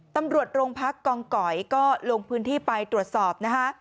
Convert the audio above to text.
ตำรวจโรงพักกองก๋อยก็ลงพื้นที่ไปตรวจสอบนะคะ